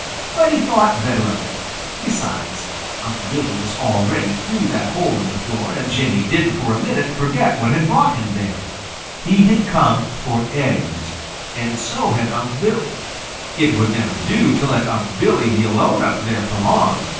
But he thought better of it. Besides, Unc' Billy was already through that hole in the floor, and Jimmy didn't for a minute forget what had brought him there. He had come for eggs, and so had Unc' Billy. It would never do to let Unc' Billy be alone up there for long.